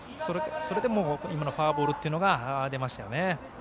それで今のフォアボールが出ましたよね。